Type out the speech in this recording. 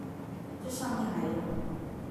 這上面還有